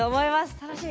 楽しみ！